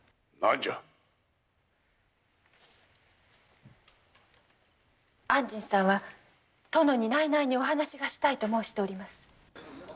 あんじんさんは、殿にないないがお話がしたいと申しております。